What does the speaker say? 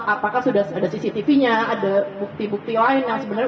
apakah sudah ada cctv nya ada bukti bukti lain yang sebenarnya